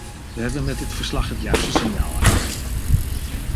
We hebben met dit verslag het juiste signaal afgegeven.